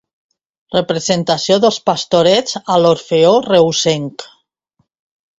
Representació dels Pastorets a l'Orfeó Reusenc.